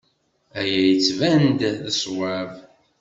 Aya yettban-d d ṣṣwab.